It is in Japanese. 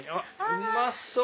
うまそう！